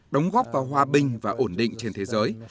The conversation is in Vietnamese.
đóng góp vào hòa bình và ổn định trên thế giới